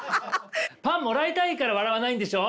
「パンもらいたいから笑わないんでしょ？」